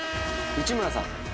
内村さん。